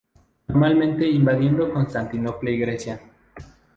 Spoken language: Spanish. Normalmente invadiendo Constantinopla y Grecia.